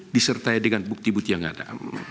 disertai dengan bukti bukti yang ada